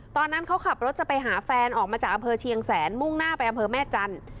ตอนนั้นเขาขับรถจะไปหาแฟนออกมาจากอำเภอเชียงแสนมุ่งหน้าไปอำเภอแม่จันทร์